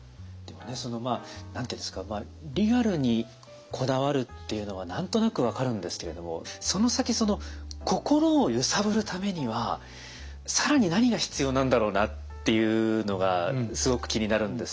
そのまあ何て言うんですかリアルにこだわるっていうのは何となく分かるんですけれどもその先その心を揺さぶるためには更に何が必要なんだろうなっていうのがすごく気になるんですけど。